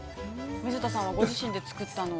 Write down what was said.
◆水田さんはご自身で作ったのを◆